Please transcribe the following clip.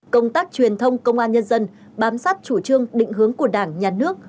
công tác truyền thông công an nhân dân bám sát chủ trương định hướng của đảng nhà nước